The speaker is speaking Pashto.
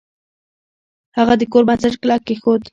هغه د کور بنسټ کلک کیښود.